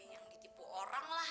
yang ditipu orang lah